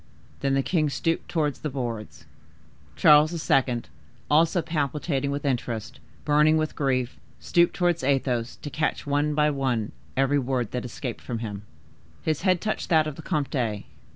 Then the king stooped towards the boards." Charles II., also palpitating with interest, burning with grief, stooped towards Athos, to catch, one by one, every word that escaped from him. His head touched that of the comte.